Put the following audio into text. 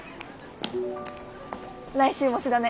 来週も模試だね。